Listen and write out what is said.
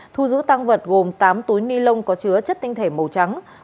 thu giữ tăng vật gồm tám túi ni lông có chứa chất tinh thể màu trắng